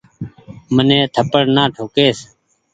مني ٿپڙ نآ ٺوڪيس ۔